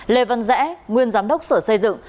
lê văn rẽ nguyên giám đốc sở xây dựng